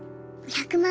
１００万